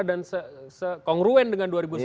dan sekongruen dengan dua ribu sembilan belas